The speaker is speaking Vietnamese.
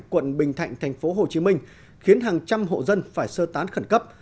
quận bình thạnh tp hcm khiến hàng trăm hộ dân phải sơ tán khẩn cấp